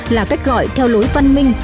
là cách gọi theo lối văn minh